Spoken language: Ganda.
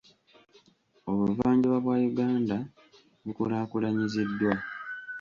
Obuvanjuba bwa Uganda bukulaakulanyiziddwa.